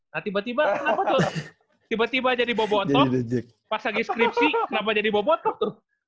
nah tiba tiba kenapa tuh tiba tiba jadi bobo otok pas lagi skripsi kenapa jadi bobo otok tuh